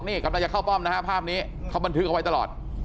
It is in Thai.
ตอนจะเข้าป้อมภาพนี้เขามันถึงเอาไว้ตลอด